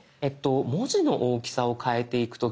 文字の大きさを変えていく時。